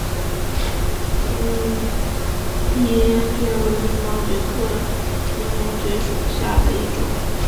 拟岩蕨为鳞毛蕨科鳞毛蕨属下的一个种。